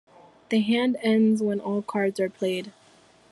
The hand ends when all cards are played.